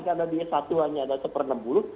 tadi satu hanya ada satu enam bulu